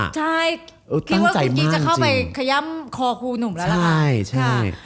ใช่คิดว่าคุณกิ๊กจะเข้าไปขยัมคอครูหนุ่มแล้วนะคะค่ะตั้งใจมากจริง